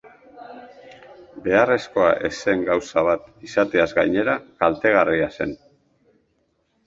Beharrezkoa ez zen gauza bat izateaz gainera kaltegarria zen.